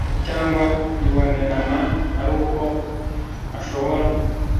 cyangwa ibonerana ariko ashobora